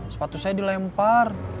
sepatu saya dilempar